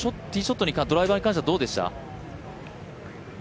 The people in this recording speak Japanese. ドライバーに関してはどうでした？